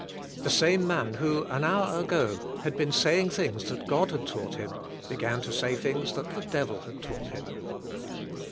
The same man who an hour ag o had been saying things that God had taug ht him beg an to say thing's that the Devil had taug ht him.